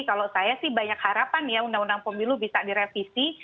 kalau saya sih banyak harapan ya undang undang pemilu bisa direvisi